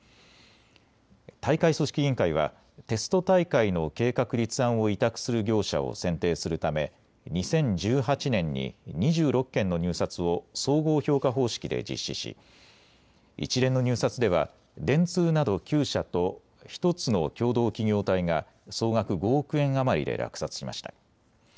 大会組織委員会はテスト大会の計画立案を委託する業者を選定するため２０１８年に２６件の入札を総合評価方式で実施し一連の入札では電通など９社と１つの共同企業体が総額５億円余りで落札しました。